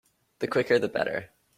The quicker the better.